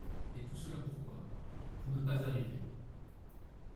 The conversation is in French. Et tout cela pourquoi ? pour ne pas arriver.